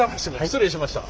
失礼しました。